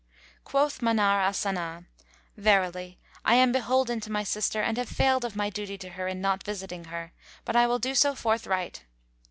Quoth Manar al Sana, "Verily, I am beholden to my sister and have failed of my duty to her in not visiting her, but I will do so forthright."